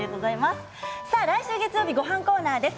来週月曜日はごはんコーナーです。